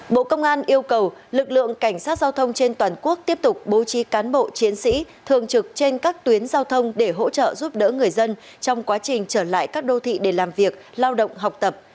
bộ công an yêu cầu lực lượng cảnh sát giao thông trên toàn quốc tiếp tục bố trí cán bộ chiến sĩ thường trực trên các tuyến giao thông để hỗ trợ giúp đỡ người dân trong quá trình trở lại các đô thị để làm việc lao động học tập